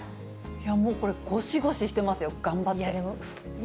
いやもう、これ、ごしごししてますよ。